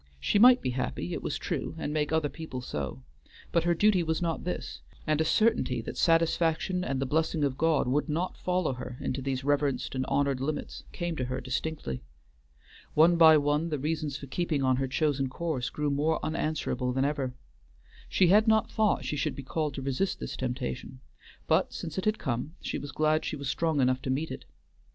She might be happy, it was true, and make other people so, but her duty was not this, and a certainty that satisfaction and the blessing of God would not follow her into these reverenced and honored limits came to her distinctly. One by one the reasons for keeping on her chosen course grew more unanswerable than ever. She had not thought she should be called to resist this temptation, but since it had come she was glad she was strong enough to meet it.